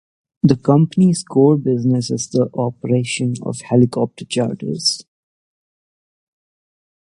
The company's core business is the operation of helicopter charters.